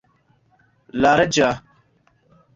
larĝa